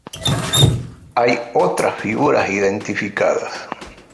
Hay otras figuras identificadas.